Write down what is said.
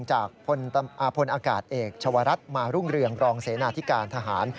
จากพลอากาศเอกชาวรัฐมารุ่งเรืองรองเสนาธิการทหาร